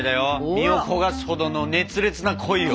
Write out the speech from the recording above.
身を焦がすほどの熱烈な恋を。